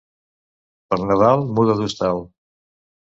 Per Nadal muda d'hostal.